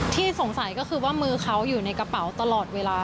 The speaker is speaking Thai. ที่สงสัยก็คือว่ามือเขาอยู่ในกระเป๋าตลอดเวลา